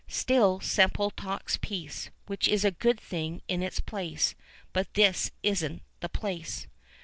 Still Semple talks peace, which is a good thing in its place; but this is n't the place.